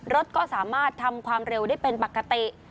รถก็สามารถทำความเร็วได้เป็นปกติ